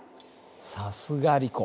さすがリコ。